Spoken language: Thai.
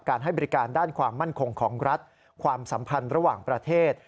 ให้บริการด้านความมั่นคงของรัฐความสัมพันธ์ระหว่างประเทศ